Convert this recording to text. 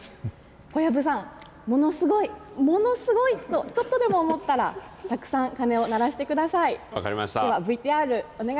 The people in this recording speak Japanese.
小籔さん、ものすごい、ものすごいと、ちょっとでも思ったら、たくさん鐘を鳴らしてくだ